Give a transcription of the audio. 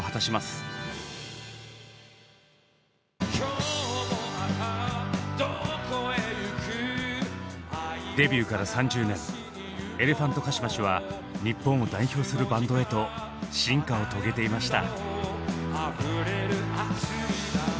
「今日もまたどこへ行く」デビューから３０年エレファントカシマシは日本を代表するバンドへと「進化」を遂げていました。